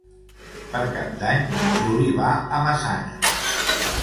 Per Cap d'Any en Juli va a Massanes.